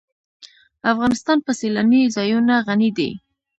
افغانستان په سیلانی ځایونه غني دی.